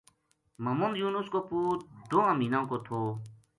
محمد یونس کو پُوت دوہاں مہینہ کو تھو